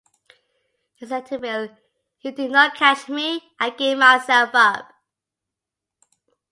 He said to Riel You did not catch me, I gave myself up.